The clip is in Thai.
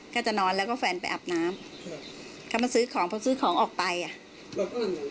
ก็จะนอนแล้วก็แฟนไปอาบน้ำเขามาซื้อของเพราะซื้อของออกไปอ่ะรถอื่น